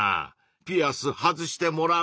ピアス外してもらう？